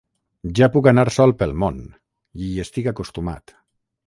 Ja puc anar sol pel món, hi estic acostumat.